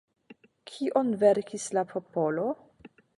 Kion verkis la popolo?